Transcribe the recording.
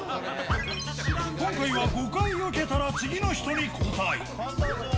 今回は５回よけたら次の人に交代。